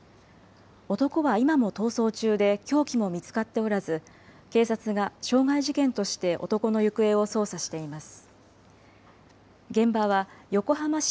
男は今も逃走中で凶器も見つかっておらず、警察が傷害事件として男の行方を捜査しています。